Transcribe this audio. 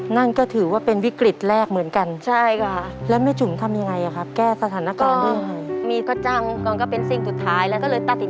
นั่นก็ถือว่าเป็นวิกฤตแรกเหมือนกันแล้วแม่จุ่มทำอย่างไรครับ